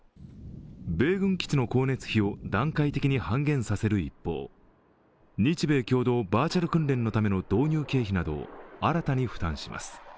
米軍基地の光熱費を段階的に半減させる一方、日米共同バーチャル訓練のための導入経費などを新たに負担します。